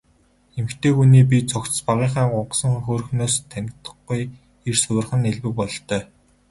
Эмэгтэй хүний бие цогцос багынхаа гунхсан хөөрхнөөс танигдахгүй эрс хувирах нь элбэг бололтой.